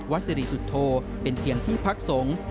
สิริสุทธโธเป็นเพียงที่พักสงฆ์